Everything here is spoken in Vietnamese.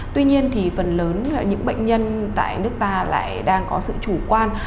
tuy nhiên thì phần lớn những bệnh nhân tại nước ta lại đang có sự chủ quan